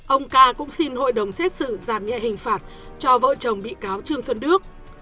ông ca cũng xin hội đồng xét xử giảm nhẹ hình phạt cho vợ chồng bị cáo trương xuân đức